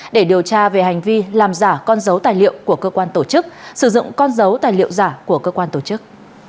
để điều tra về hành vi làm giả con dấu tài liệu của cơ quan tổ chức sử dụng con dấu tài liệu giả của cơ quan tổ chức